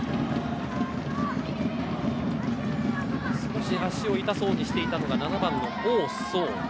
少し足を痛そうにしていたのが７番、オウ・ソウ。